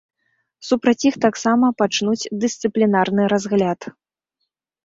Супраць іх таксама пачнуць дысцыплінарны разгляд.